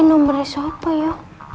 ini nomer siapa ya